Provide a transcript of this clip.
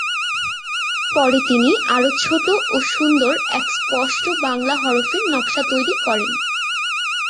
পরে তিনি আরো ছোটো ও সুন্দর এক স্পষ্ট বাংলা হরফের নকশা তৈরি করেন।